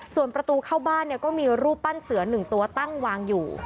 ส่วนประตูเข้าบ้านก็มีรูปปั้นเสือ๑ตัวตั้งวางอยู่